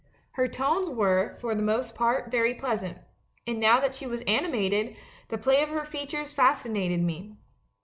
Her tones were, for the most part, very pleasant, and now that she was animated, the play of her features fascinated me.